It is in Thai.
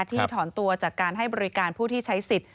ถอนตัวจากการให้บริการผู้ที่ใช้สิทธิ์